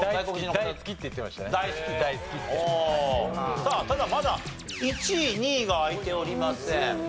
さあただまだ１位２位が開いておりません。